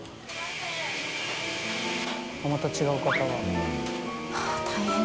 あっまた違う方が。